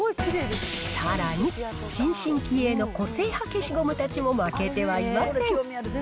さらに、新進気鋭の個性派消しゴムたちも負けてはいません。